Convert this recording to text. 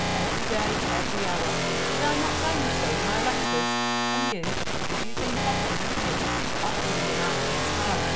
"Every day, every hour. Did I not tell you so in my letters? And you? did you think often of me?" "Oftener than I can tell."